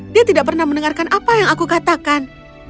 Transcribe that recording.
dia tidak pernah mendengarkan apa yang aku katakan